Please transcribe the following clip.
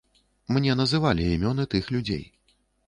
Мне называлі імёны тых людзей.